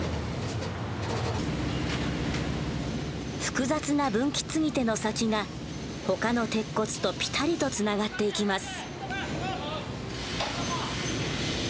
複雑な分岐継ぎ手の先が他の鉄骨とぴたりとつながっていきます。